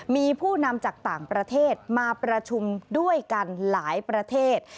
มีผู้นำจากต่างประเทศมาประชุมด้วยกันหลายประเทศ